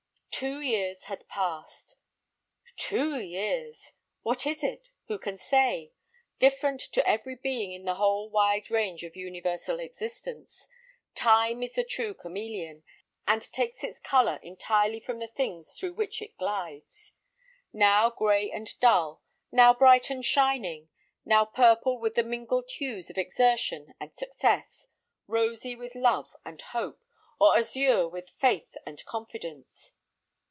Two years had passed. Two years! What is it? who can say? Different to every being in the whole wide range of universal existence, Time is the true chameleon, and takes its colour entirely from the things through which it glides. Now gray and dull, now bright and shining, now purple with the mingled hues of exertion and success, rosy with love and hope, or azure with faith and confidence!